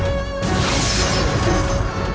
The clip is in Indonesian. dan menangkan mereka